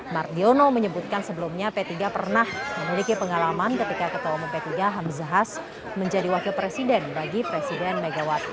mardiono menyebutkan sebelumnya p tiga pernah memiliki pengalaman ketika ketua umum p tiga hamzahas menjadi wakil presiden bagi presiden megawati